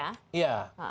berdasarkan klik ya